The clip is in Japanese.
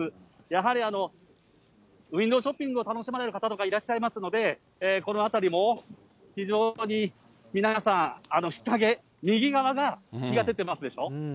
やはりウインドーショッピングを楽しまれる方もいらっしゃいますので、この辺りも非常に皆さん、ひかげ、右側が日が照ってますでしょ。